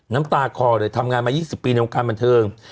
น้ำตาคอเลยทำงานมา๒๐ปีในวงการบันเทิง